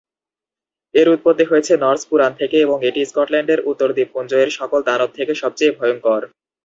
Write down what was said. এর উৎপত্তি হয়েছে নর্স পুরাণ থেকে এবং এটি স্কটল্যান্ডের উত্তর দ্বীপপুঞ্জ এর সকল দানব থেকে সবচেয়ে ভয়ংকর।